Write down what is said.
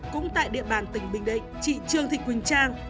cũng tại địa bàn tỉnh bình định trị trường thịnh quỳnh trang